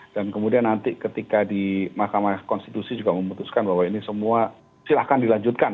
dan kemudian nanti ketika di mahkamah konstitusi juga memutuskan bahwa ini semua silahkan dilanjutkan